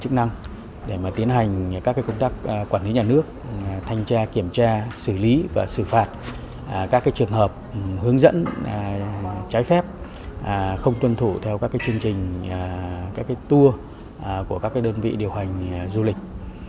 chúng tôi cũng đã phối hợp chặt chẽ với các ngành để tiến hành các công tác quản lý nhà nước thanh tra kiểm tra xử lý và xử phạt các trường hợp hướng dẫn trái phép không tuân thủ theo các chương trình các tour của các đơn vị điều hành du lịch